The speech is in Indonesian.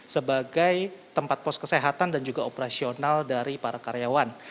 sebagai tempat pos kesehatan dan juga operasional dari para karyawan